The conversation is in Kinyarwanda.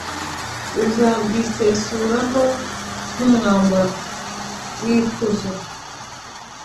uzabwisesuraho nk'umwambaro w'ikuzo